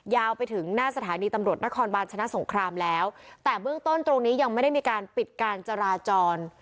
ยาวไปถึงหน้าสถานีตำรวจนครบาลชนะสงครามแล้วแต่เบื้องต้นตรงนี้ยังไม่ได้มีการปิดการจราจร